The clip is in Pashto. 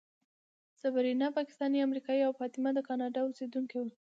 صبرینا پاکستانۍ امریکایۍ او فاطمه د کاناډا اوسېدونکې وه.